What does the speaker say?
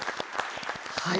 はい！